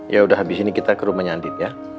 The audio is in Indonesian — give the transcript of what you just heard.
yaudah habis ini kita ke rumahnya andin ya